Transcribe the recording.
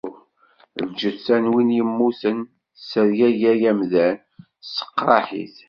Lǧetta n win yemmuten, tessergagay amdan, tesseqraḥ-it.